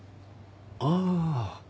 ああ。